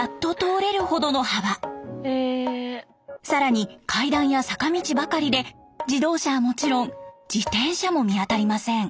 更に階段や坂道ばかりで自動車はもちろん自転車も見当たりません。